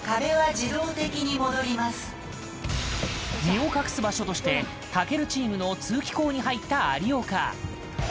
身を隠す場所として健チームの通気口に入った有岡。